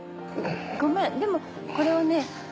ごめんでもこれはね